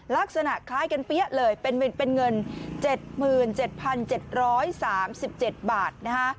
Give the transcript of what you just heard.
ลักษณะคล้ายกันเปี้ยเลยเป็นเงิน๗๗๓๗บาทนะคะ